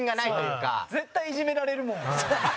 兼近：絶対いじめられるもん。